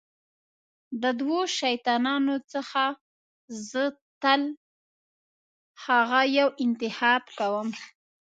د دوو شیطانانو څخه زه تل هغه یو انتخاب کوم.